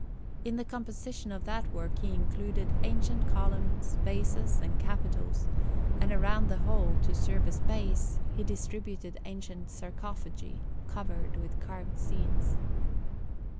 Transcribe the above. In the composition of that work he included ancient columns, bases, and capitals, and around the whole, to serve as base, he distributed ancient sarcophagi covered with carved scenes.